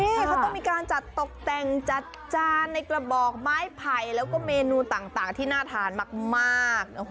นี่เขาต้องมีการจัดตกแต่งจัดจานในกระบอกไม้ไผ่แล้วก็เมนูต่างที่น่าทานมาก